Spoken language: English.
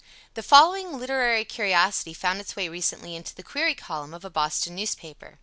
The following literary curiosity found its way recently into the query column of a Boston newspaper.